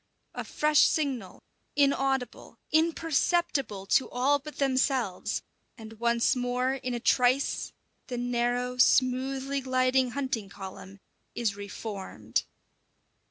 A fresh signal, inaudible, imperceptible to all but themselves, and once more, in a trice, the narrow, smoothly gliding hunting column is reformed.